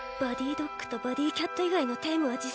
ドッグとバディキャット以外のテイムはえっ？